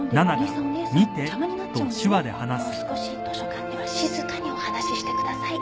もう少し図書館では静かにお話ししてください。